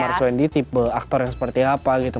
omar aswendy tipe aktor yang seperti apa gitu